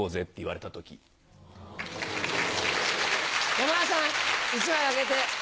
山田さん１枚あげて。